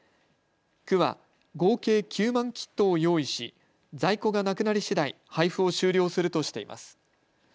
区は合計９万キットを用意し在庫がなくなりしだい配布を終了するとしています。